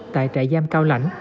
tại trại giam cao lãnh